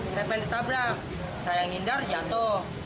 saya pengen ditabrak saya ngindar jatuh